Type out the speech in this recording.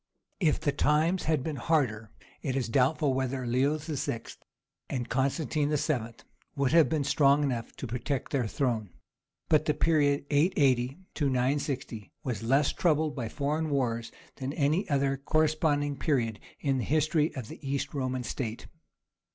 If the times had been harder it is doubtful whether Leo VI. and Constantine VII. would have been strong enough to protect their throne. But the period 880 960 was less troubled by foreign wars than any other corresponding period in the history of the East Roman state.